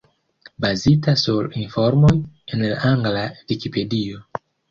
Bazita sur informoj en la angla Vikipedio.